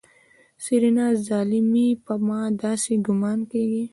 سېرېنا ظالمې په ما داسې ګومان کېږي.